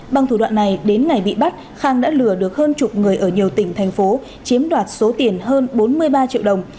bằng thủ đoạn này đến ngày bị bắt khang đã lừa được hơn chục người ở nhiều tỉnh thành phố chiếm đoạt số tiền hơn bốn mươi ba triệu đồng